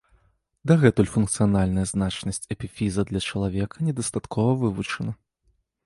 Дагэтуль функцыянальная значнасць эпіфіза для чалавека недастаткова вывучана.